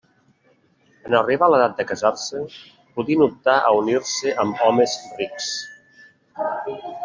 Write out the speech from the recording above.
En arribar l'edat de casar-se, podien optar a unir-se amb homes rics.